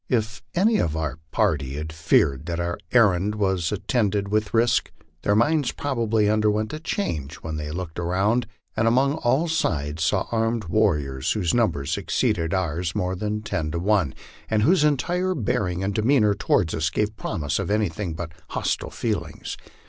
If any of our party had feared that our errand was attended with risk, their minds probably underwent a change when they looked around, and upon all sides saw armed warriors, whose numbers exceeded ours more than ten to one, and whose entire bearing and demeanor toward us gave promise of any but hostile feelings.